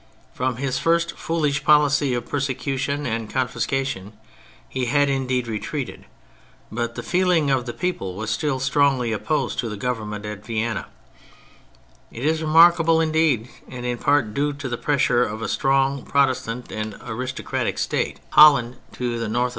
From his first foolish policy of persecution and confiscation he had indeed retreated, but the feeling of the people was still strongly opposed to the Government at Vienna. It is remarkable, indeed, and in part due to the pressure of a strongly Protestant and aris tocratic state, Holland, to the north of them, F 2 k 164 THE FRENCH REVOLUTION Ok V >>5 I ^11" « o 9* ^ I